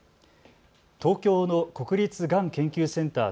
東京の国立がん研究センター